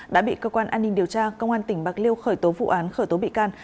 đã bị cơ quan an ninh điều tra công an tỉnh bạc liêu khởi tố vụ án khởi tố bị can